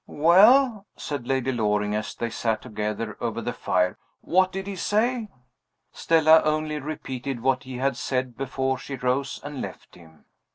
"Well?" said Lady Loring, as they sat together over the fire. "What did he say?" Stella only repeated what he had said before she rose and left him.